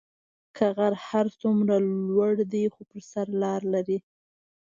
كه غر هر سومره لور دي خو به سر ئ لار دي.